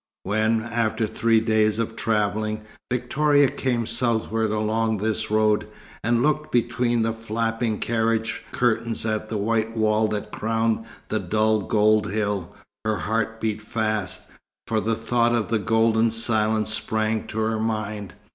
When, after three days of travelling, Victoria came southward along this road, and looked between the flapping carriage curtains at the white wall that crowned the dull gold hill, her heart beat fast, for the thought of the golden silence sprang to her mind.